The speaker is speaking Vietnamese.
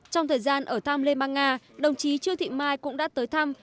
trong thời gian ở thăm liên bang nga đồng chí trương thị mai cũng đã tới thăm